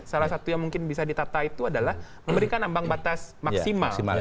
salah satu yang mungkin bisa ditata itu adalah memberikan ambang batas maksimal